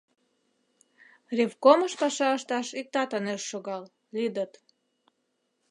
Ревкомыш паша ышташ иктат ынеж шогал - лӱдыт.